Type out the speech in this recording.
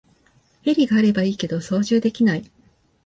ヘリがあればいいけど操縦できない